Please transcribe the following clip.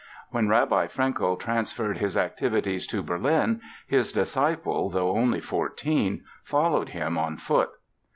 When Rabbi Frankel transferred his activities to Berlin his disciple, though only fourteen, followed him on foot.